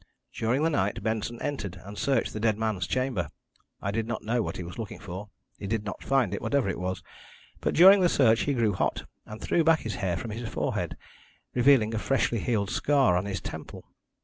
During the night Benson entered and searched the dead man's chamber. I do not know what he was looking for he did not find it, whatever it was but during the search he grew hot, and threw back his hair from his forehead, revealing a freshly healed scar on his temple.